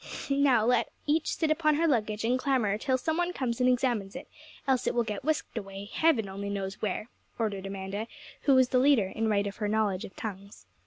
'Now let each sit upon her luggage and clamour till some one comes and examines it, else it will get whisked away heaven only knows where,' ordered Amanda, who was the leader in right of her knowledge of tongues.